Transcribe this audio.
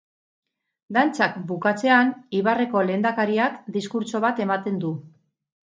Dantzak bukatzean ibarreko lehendakariak diskurtso bat ematen du.